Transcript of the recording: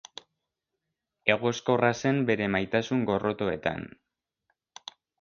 Egoskorra zen bere maitasun-gorrotoetan.